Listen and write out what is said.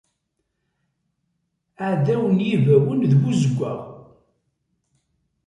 Aɛdaw n yibawen d buzeggaɣ.